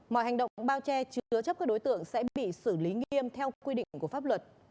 mọi hành động bao che chứa chấp các đối tượng sẽ bị xử lý nghiêm theo quy định của pháp luật